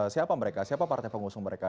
siapa mereka siapa partai pengusung mereka